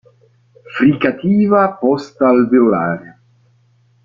Fricativa postalveolare